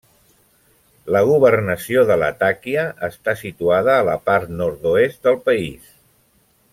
La Governació de Latakia està situada a la part nord-oest del país.